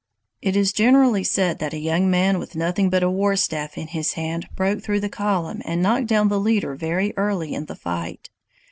"It is generally said that a young man with nothing but a war staff in his hand broke through the column and knocked down the leader very early in the fight.